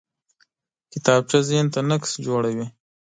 کتابچه ذهن ته نقش جوړوي